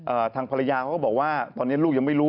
ทางภรรยาเขาก็บอกว่าตอนนี้ลูกยังไม่รู้